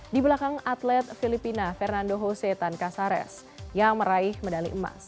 di belakang atlet filipina fernando hose tan casares yang meraih medali emas